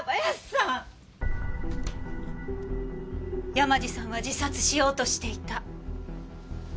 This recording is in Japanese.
山路さんは自殺しようとしていた。